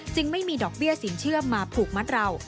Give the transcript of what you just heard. ไม่มีดอกเบี้ยสินเชื่อมาผูกมัดเรา